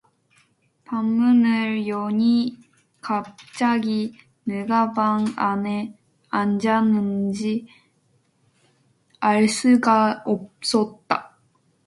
방문을 여니 갑자기 누가 방 안에 앉았는지 알 수가 없었다.